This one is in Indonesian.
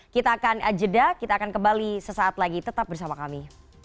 kita akan jeda kita akan kembali sesaat lagi tetap bersama kami